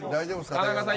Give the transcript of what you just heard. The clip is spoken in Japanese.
田中さん。